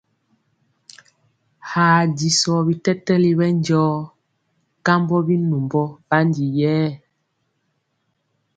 Haa disɔ bitɛtɛli ɓɛ njɔɔ kambɔ binumbɔ ɓandi yɛɛ.